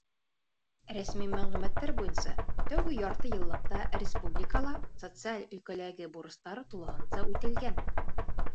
Рәсми мәғлүмәттәр буйынса, тәүге ярты йыллыҡта республикала социаль өлкәләге бурыстар тулыһынса үтәлгән.